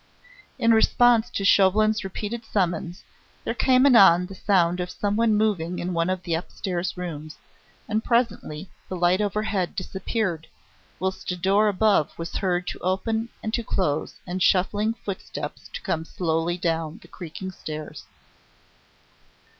In response to Chauvelin's repeated summons, there came anon the sound of someone moving in one of the upstairs rooms, and presently the light overhead disappeared, whilst a door above was heard to open and to close and shuffling footsteps to come slowly down the creaking stairs.